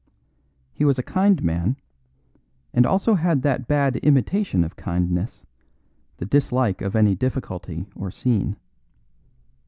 He was a kind man, and had also that bad imitation of kindness, the dislike of any difficulty or scene.